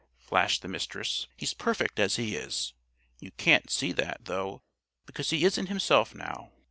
flashed the Mistress. "He's perfect as he is. You can't see that, though, because he isn't himself now.